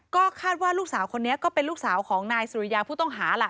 ก็คาดว่าลูกสาวคนนี้ก็เป็นลูกสาวของนายสุริยาผู้ต้องหาล่ะ